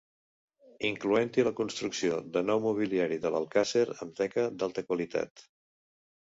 Incloent-hi la construcció de nou mobiliari de l'alcàsser amb teca d'alta qualitat.